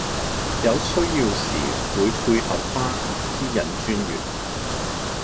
有需要時會配合番私隱專員